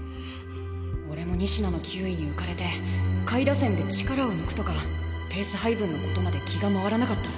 俺も仁科の球威に浮かれて下位打線で力を抜くとかペース配分のことまで気が回らなかった。